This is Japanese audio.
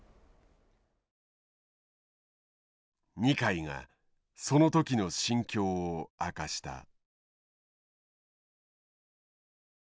二階がその時の心境を明かした。